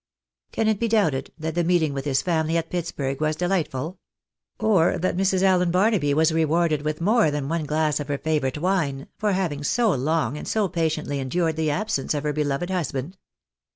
Can it be doubted that the meeting with his family at Pitts burg was delightful ? Or that Mrs. Allen Barnaby was rewarded with more than one glass of her favourite wine, for having so long and so patiently endured the absence of her beloved husband